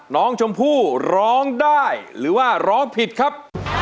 น้องชมพู่ร้องได้หรือว่าร้องผิดครับ